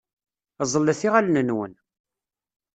Ẓẓlet iɣallen-nwen.